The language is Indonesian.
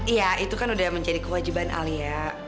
iya itu kan udah menjadi kewajiban alia